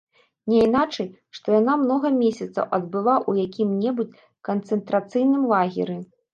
Няйначай, што яна многа месяцаў адбыла ў якім-небудзь канцэнтрацыйным лагеры.